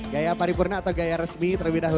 gaya paripurna atau gaya resmi terlebih dahulu